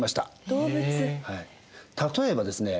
例えばですね